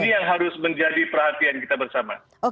ini yang harus menjadi perhatian kita bersama